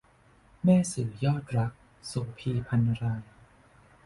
แม่สื่อยอดรัก - โสภี พรรณราย